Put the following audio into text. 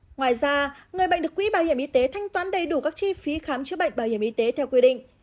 ngoài ra người bệnh được quỹ bảo hiểm y tế thanh toán đầy đủ các chi phí khám chữa bệnh bảo hiểm y tế theo quy định